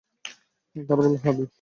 তারা বলল, হ্যাঁ, দিন।